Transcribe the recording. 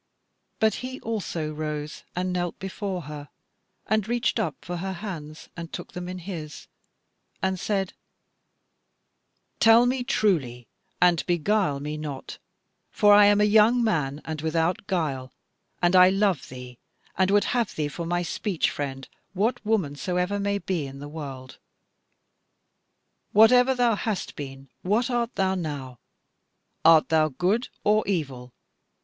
But he also rose and knelt before her, and reached up for her hands and took them in his and said: "Tell me truly, and beguile me not; for I am a young man, and without guile, and I love thee, and would have thee for my speech friend, what woman soever may be in the world. Whatever thou hast been, what art thou now? Art thou good or evil?